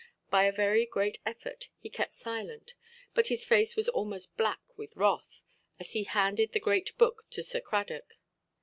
By a very great effort he kept silent, but his face was almost black with wrath, as he handed the great book to Sir Cradock.